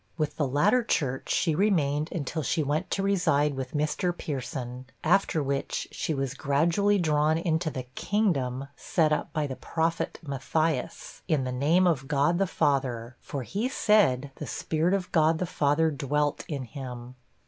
With the latter church she remained until she went to reside with Mr. Pierson, after which, she was gradually drawn into the 'kingdom' set up by the prophet Matthias, in the name of God the Father; for he said the spirit of God the Father dwelt in him.